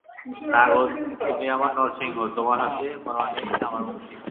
না গো, তুমি আমার নরসিংহ, তোমার হাতে মরণেই আমার মুক্তি।